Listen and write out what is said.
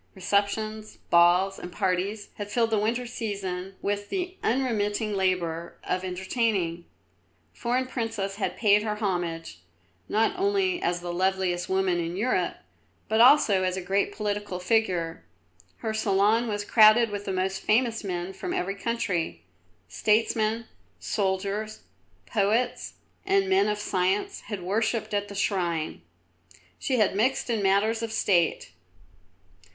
Receptions, balls, and parties had filled the winter season with the unremitting labour of entertaining. Foreign princes had paid her homage, not only as the loveliest woman in Europe, but also as a great political figure. Her salon was crowded with the most famous men from every country. Statesmen, soldiers, poets, and men of science had worshipped at the shrine. She had mixed in matters of State.